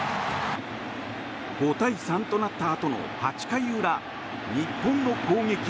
５対３となったあとの８回裏日本の攻撃。